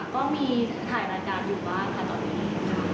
ก็มีถ่ายรายการอยู่บ้างค่ะตอนนี้